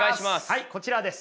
はいこちらです。